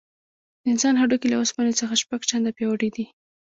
د انسان هډوکي له اوسپنې څخه شپږ چنده پیاوړي دي.